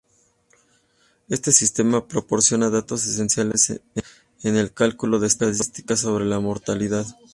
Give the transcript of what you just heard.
Este sistema proporciona datos esenciales en el cálculo de estadísticas sobre la mortalidad.